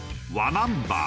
ナンバー。